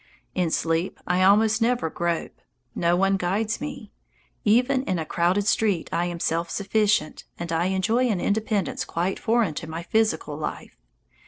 In sleep I almost never grope. No one guides me. Even in a crowded street I am self sufficient, and I enjoy an independence quite foreign to my physical life.